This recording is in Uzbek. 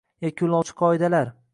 Yakunlovchi qoidalar